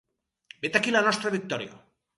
Vet aquí la nostra victòria.